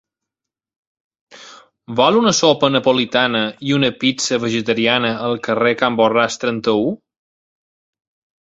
Vol una sopa napolitana i una pizza vegetariana al carrer Can Borràs trenta-u?